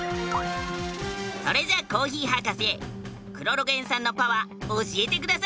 それじゃあコーヒー博士クロロゲン酸のパワー教えてください！